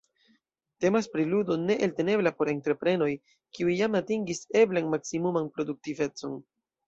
Temas pri ludo ne eltenebla por entreprenoj, kiuj jam atingis eblan maksimuman produktivecon.